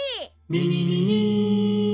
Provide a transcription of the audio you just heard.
「ミニミニ」